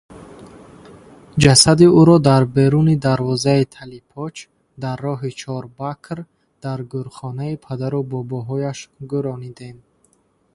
Ҷасади ӯро дар беруни дарвозаи Талипоч, дар роҳи Чорбакр, дар гӯрхонаи падару бобоҳояш гӯронидем.